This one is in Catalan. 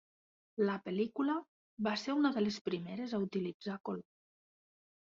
La pel·lícula va ser una de les primeres a utilitzar color.